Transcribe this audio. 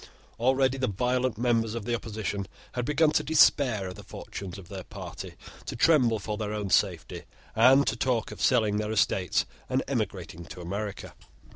Already the violent members of the opposition had begun to despair of the fortunes of their party, to tremble for their own safety, and to talk of selling their estates and emigrating to America.